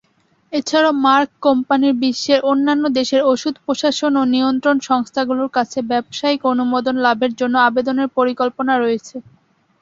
এছাড়াও মার্ক কোম্পানির বিশ্বের অন্যান্য দেশের ঔষধ প্রশাসন ও নিয়ন্ত্রণ সংস্থাগুলোর কাছে ব্যবসায়িক অনুমোদন লাভের জন্য আবেদনের পরিকল্পনা রয়েছে।